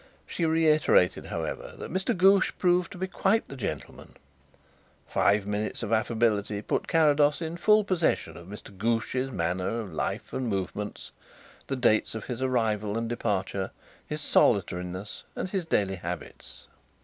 She reiterated, however, that Mr. Ghoosh proved to be "quite the gentleman." Five minutes of affability put Carrados in full possession of Mr. Ghoosh's manner of life and movements the dates of his arrival and departure, his solitariness and his daily habits.